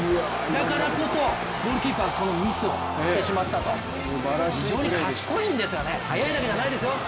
だからこそ、ゴールキーパーはこのミスをしてしまったと、非常に賢いんですよね、速いだけじゃないんですよ。